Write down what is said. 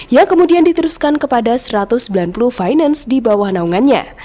yang kemudian diteruskan kepada satu ratus sembilan puluh finance di bawah naungannya